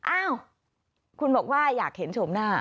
อ้าวคุณบอกว่าอยากเห็นชมหน้า